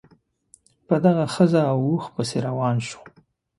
په دغه ښځه او اوښ پسې روان شو.